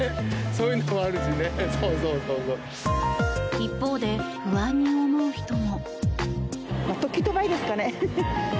一方で不安に思う人も。